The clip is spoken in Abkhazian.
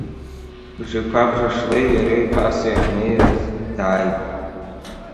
Бжеқәа-бжашлеи иареи ԥаса иахьеиниаз дааит.